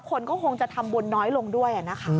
คนก็คงจะทำบุญน้อยลงด้วยนะคะ